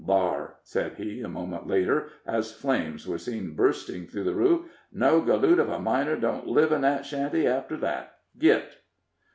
"Thar," said he, a moment later, as flames were seen bursting through the roof, "no galoot uv a miner don't live in that shanty after that. Git."